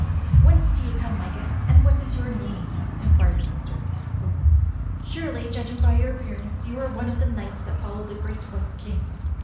"Whence do you come, my guest, and what is your nanie.?^" in quired the master of the castle. "Surely, judging by your appearance, you are one of the knights that follow the great White King."